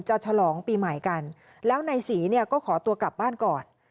จะฉลองปีใหม่กันแล้วในสีก็ขอตัวกลับบ้านก่อน